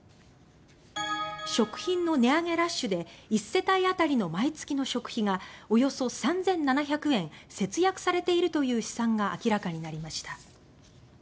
食品の値上げラッシュで１世帯当たりの毎月の食費がおよそ３７００円節約されているという試算が明らかになりました。